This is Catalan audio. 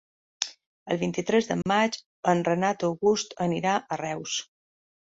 El vint-i-tres de maig en Renat August anirà a Reus.